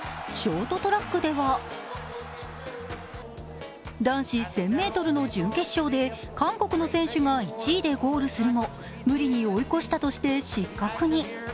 ショートトラックでは、男子１０００ｍの準決勝で韓国の選手が１位でゴールするも無理に追い越したとして失格に。